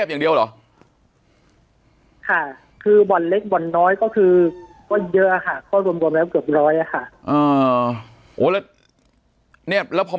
ปากกับภาคภูมิ